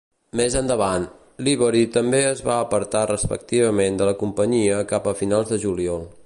Més endavant, l"Ivory també es va apartar respectivament de la companyia cap a finals de juliol.